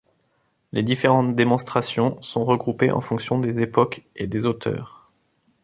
Les différentes démonstrations sont regroupées en fonction des époques et des auteurs.